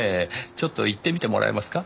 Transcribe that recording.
ちょっと言ってみてもらえますか？